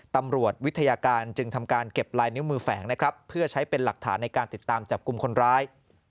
ตำรวจวิทยาการจึงทำการเก็บลายนิ้วมือแฝงนะครับเพื่อใช้เป็นหลักฐานในการติดตามจับกลุ่มคนร้าย